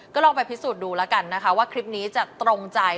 ก็ลองไปพิสูจน์ดูแล้วกันนะคะว่าคลิปนี้จะตรงใจ